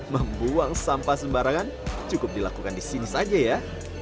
membuang sampah sembarangan cukup dilakukan di sini saja ya